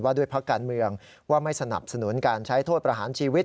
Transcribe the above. ด้วยพักการเมืองว่าไม่สนับสนุนการใช้โทษประหารชีวิต